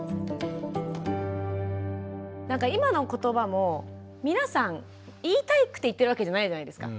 今の言葉も皆さん言いたくて言ってるわけじゃないじゃないですか。